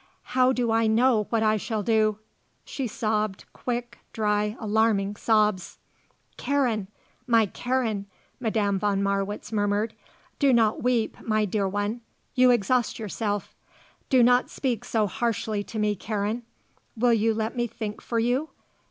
How do I know what I shall do?" She sobbed, quick, dry, alarming sobs. "Karen my Karen," Madame von Marwitz murmured, "do not weep, my dear one. You exhaust yourself. Do not speak so harshly to me, Karen. Will you let me think for you?